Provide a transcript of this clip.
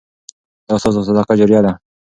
دا ستاسو صدقه جاریه ده.